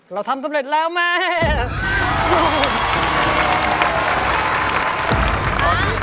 เราทำสำเร็จแล้วไหม